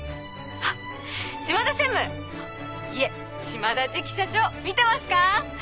あっ島田専務いえ島田次期社長見てますか？